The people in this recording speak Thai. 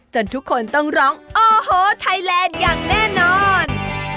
ทุกคนต้องร้องโอ้โหไทยแลนด์อย่างแน่นอน